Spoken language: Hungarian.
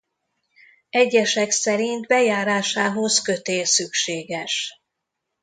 Egyesek szerint bejárásához kötél szükséges.